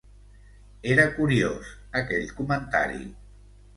Era curiós, aquell comentari.